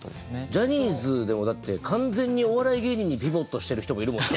ジャニーズでもだって完全にお笑い芸人にピボットしてる人もいるもん。